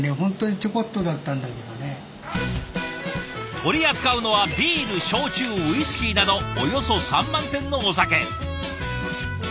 取り扱うのはビール焼酎ウイスキーなどおよそ３万点のお酒。